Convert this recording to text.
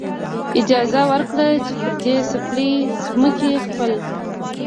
اجازه ورکړه، چې پر دې سپېڅلې ځمکې خپل.